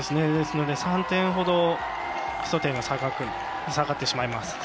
ですので、３点ほど基礎点が下がってしまいます。